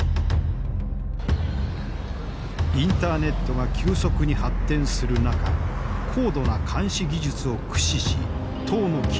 インターネットが急速に発展する中高度な監視技術を駆使し党の基盤を強化。